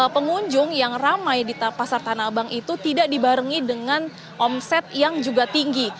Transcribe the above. pengunjung yang ramai di pasar tanah abang itu tidak dibarengi dengan omset yang juga tinggi